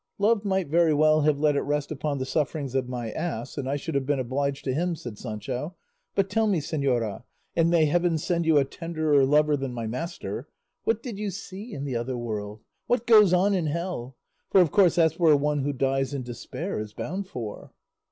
"Love might very well have let it rest upon the sufferings of my ass, and I should have been obliged to him," said Sancho. "But tell me, señora and may heaven send you a tenderer lover than my master what did you see in the other world? What goes on in hell? For of course that's where one who dies in despair is bound for."